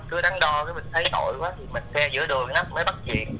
cứ đắn đo cái mình thấy nổi quá thì mình khe giữa đường đó mới bắt chuyện